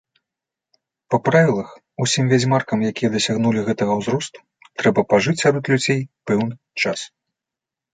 Па правілах усім вядзьмаркам, якія дасягнулі гэтага ўзросту, трэба пажыць сярод людзей пэўны час.